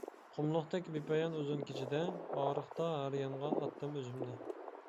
قۇملۇقتەك بىپايان ئۇزۇن كېچىدە، ئاغرىقتا ھەر يانغا ئاتتىم ئۆزۈمنى.